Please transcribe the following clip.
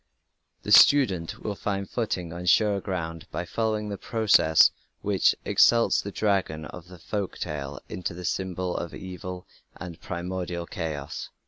The student will find footing on surer ground by following the process which exalts the dragon of the folk tale into the symbol of evil and primordial chaos.